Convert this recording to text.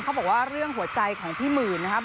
เขาบอกว่าเรื่องหัวใจของพี่หมื่นนะครับ